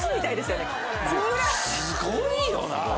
すごいよな。